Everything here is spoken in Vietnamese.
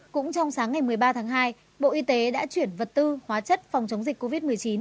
cũng trong sáng ngày một mươi ba tháng hai bộ y tế đã chuyển vật tư hóa chất phòng chống dịch covid một mươi chín